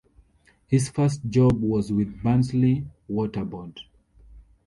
His first job was with Barnsley Water Board.